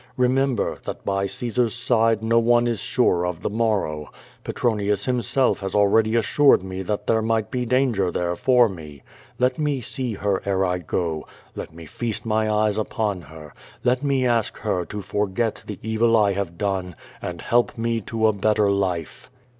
llemember, that by Caesar's side no one is sure of the morrow. Petro nius himself has already assured me that there might l)e dan ger there for me. Let me see her ere I go. Let me feast my eyes upon her. Ijct me ask her to forget the evil I have done, and help me to a better life."